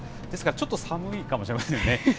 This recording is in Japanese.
ですから、ちょっと寒いかもしれませんね。